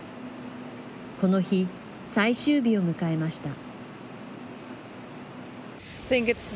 この日、最終日を迎えました。